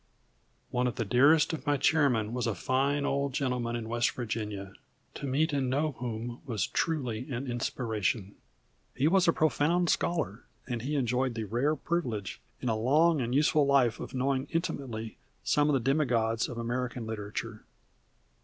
One of the dearest of my chairmen was a fine old gentleman in West Virginia, to meet and know whom was truly an inspiration. He was a profound scholar, and had enjoyed the rare privilege in a long and useful life of knowing intimately some of the demigods of American literature.